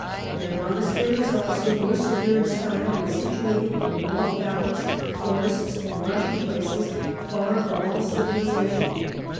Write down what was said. Their monasteries also were severe in style, and situated in remote valleys, forests or marshy places, far from all civilization.